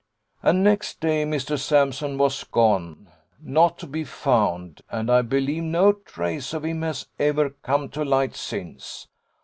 'And next day Mr Sampson was gone: not to be found: and I believe no trace of him has ever come to light since.